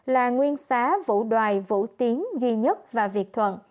là nguyên xá vũ đoài vũ tiến duy nhất và việt thuận